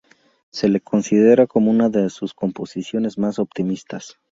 Se la considera como una de sus composiciones más optimistas.